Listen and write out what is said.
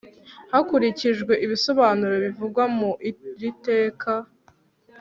hakurikijwe ibisobanuro bivugwa muiri teka